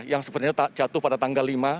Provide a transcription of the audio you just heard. yang sebenarnya jatuh pada tanggal lima